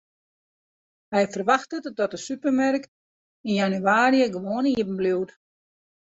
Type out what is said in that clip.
Hy ferwachtet dat de supermerk yn jannewaarje gewoan iepenbliuwt.